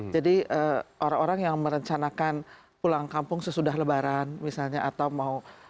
jadi orang orang yang merencanakan pulang kampung sesudah lebaran misalnya atau mau